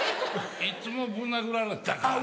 いつもぶん殴られてたから。